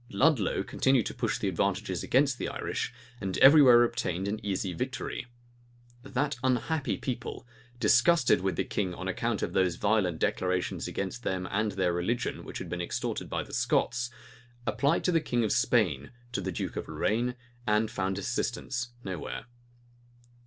Ludlow continued to push the advantages against the Irish, and every where obtained an easy victory. That unhappy people, disgusted with the king on account of those violent declarations against them and their religion which had been extorted by the Scots, applied to the king of Spain, to the duke of Lorraine; and found assistance nowhere.